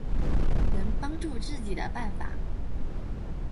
能帮助自己的办法